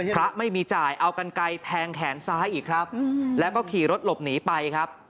พระไม่มีจ่ายเอากันกันแผงค่านซ้ายครับและขี่รถหลบหนีไปครับ